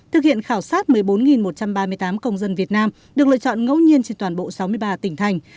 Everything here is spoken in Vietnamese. thực hiện khảo sát một mươi bốn một trăm ba mươi tám công dân việt nam được lựa chọn ngẫu nhiên trên toàn bộ sáu mươi ba tỉnh thành